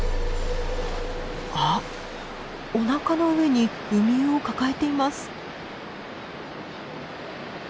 あっおなかの上にウミウを抱えています。